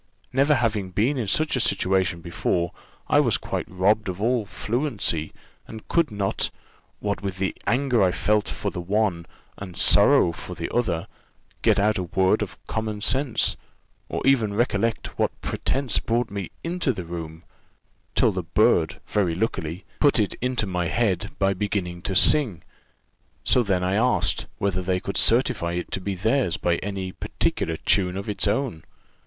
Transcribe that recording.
Never having been in such a situation before, I was quite robbed of all fluency, and could not what with the anger I felt for the one, and sorrow for the other get out a word of common sense, or even recollect what pretence brought me into the room, till the bird very luckily put it into my head by beginning to sing; so then I asked, whether they could certify it to be theirs by any particular tune of its own?